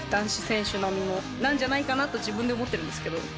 なんじゃないかなと自分で思ってるんですけど。